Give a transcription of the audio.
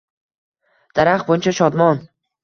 Daraxt buncha shodmon!